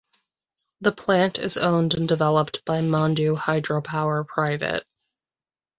The plant is owned and developed by Mandu Hydropower Pvt.